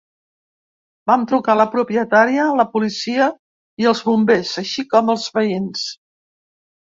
Vam trucar la propietària, la policia i els bombers, així com els veïns.